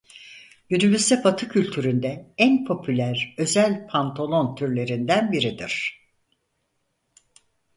Günümüzde Batı Kültürü'nde en popüler özel pantolon türlerinden biridir.